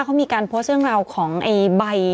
เขามีการโพสต์เรื่องราวของไอ้ใบ